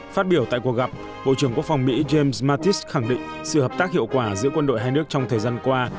phát biểu tại cuộc gặp bộ trưởng quốc phòng mỹ james mattis khẳng định sự hợp tác hiệu quả giữa quân đội hai nước trong thời gian qua